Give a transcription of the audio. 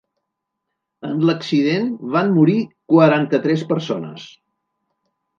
En l’accident van morir quaranta-tres persones.